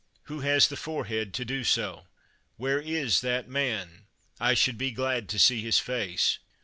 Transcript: "Who has the forehead to do so? Where is that man ? I should be glad to see his face.